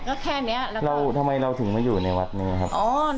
ก็แค่นี้แล้วครับเราทำไมเราถึงมาอยู่ในวัดนี้ครับ